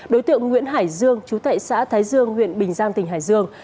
đối tượng nguyễn hải dương chú tệ xã thái dương huyện bình giang tỉnh hải dương